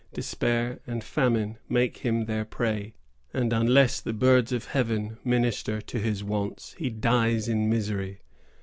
Despair and famine make him their prey, and unless the birds of heaven minister to his wants, he dies in misery.